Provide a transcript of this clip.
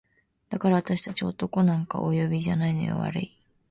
「だからあたし達男なんかお呼びじゃないのよ悪い？」